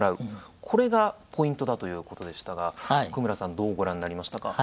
これがポイントだということでしたが奥村さんどうご覧になりましたか？